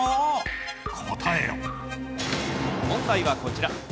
問題はこちら。